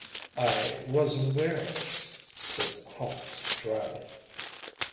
‚ÄĚ “I was aware of it,‚ÄĚ said Holmes dryly.